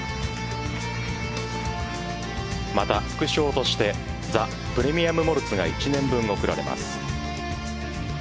また、副賞としてザ・プレミアム・モルツが１年分贈られます。